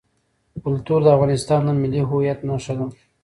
کلتور د افغانستان د ملي هویت نښه ده.